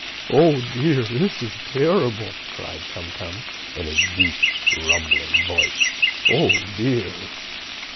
Oh dear! This is terrible!" cried Tum Tum in his big, deep, rumbling voice. "Oh dear!"